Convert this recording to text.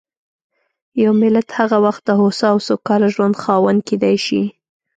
یو ملت هغه وخت د هوسا او سوکاله ژوند خاوند کېدای شي.